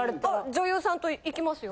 女優さんと行きますよ。